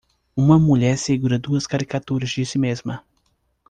Uma mulher segura duas caricaturas de si mesma.